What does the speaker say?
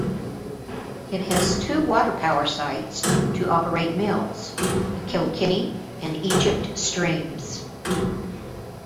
It had two water power sites to operate mills-the Kilkenny and Egypt streams.